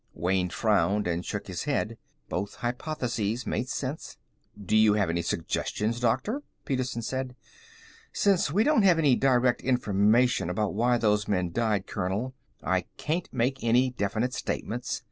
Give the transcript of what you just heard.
Wayne frowned and shook his head. Both hypotheses made sense. "Do you have any suggestions, Doctor?" Petersen said. "Since we don't have any direct information about why those men died, Colonel, I can't make any definite statements.